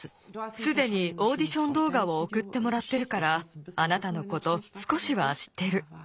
すでにオーディションどうがをおくってもらってるからあなたのことすこしはしってる。